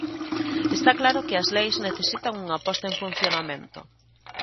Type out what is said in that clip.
Está claro que as leis necesitan unha posta en funcionamento.